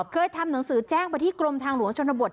เคยทำหนังสือแจ้งไปที่กรมทางหลวงชนบท